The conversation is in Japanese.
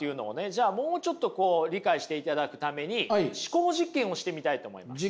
じゃあもうちょっと理解していただくために思考実験をしてみたいと思います。